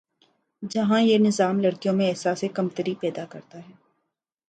جہاں یہ نظام لڑکیوں میں احساسِ کمتری پیدا کرتا ہے